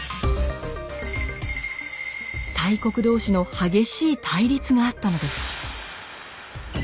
大国同士の激しい対立があったのです。